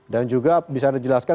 dan juga bisa anda jelaskan